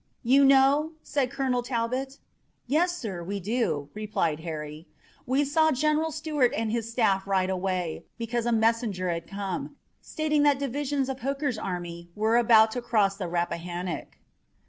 "You know?" said Colonel Talbot. "Yes, sir, we do," replied Harry. "We saw General Stuart and his staff ride away, because a messenger had come, stating that divisions of Hooker's army were about to cross the Rappahannock."